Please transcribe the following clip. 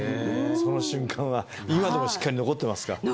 その瞬間は今でもしっかり残ってますか。